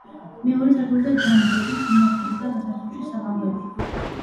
მეორე სართულზე გამუდმებით იმართებოდა გასართობი საღამოები.